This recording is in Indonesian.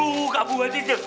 buka buah sisil